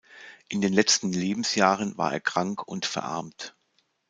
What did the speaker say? In den letzten Lebensjahren war er krank und verarmt.